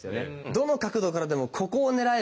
どの角度からでもここを狙えば。